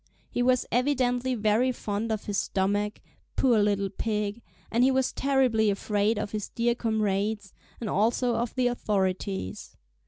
He was evidently very fond of his stomach, poor little pig, and he was terribly afraid of his dear comrades, and also of the authorities.